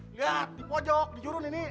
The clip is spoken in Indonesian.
lihat di pojok di jurun ini